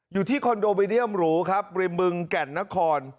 อยู่ที่คอนโดมิเนียมหรูครับริมบึงแก่นนคร